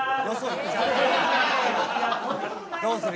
「どうする？